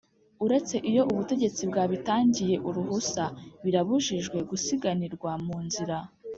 Uretse iyo ubutegetsi bwabitangiye uruhusa birabujijwe gusiganirwa mu nzira